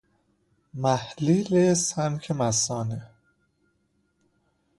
محلیل سنک مثانه